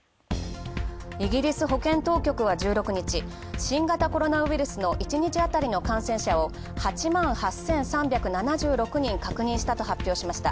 イギリス保健当局は１６日、新型コロナウイルスの１日あたりの感染者を８万８３７６人確認したと発表しました。